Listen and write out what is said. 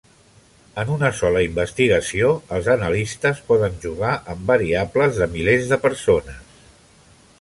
En una sola investigació els analistes poden jugar amb variables de milers de persones.